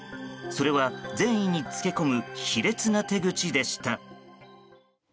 それは善意につけ込む卑劣な手口でした。